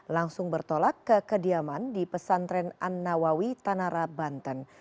langsung bertolak ke kediaman di pesantren an nawawi tanara banten